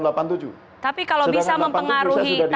sedangkan seribu sembilan ratus delapan puluh tujuh saya sudah di jakarta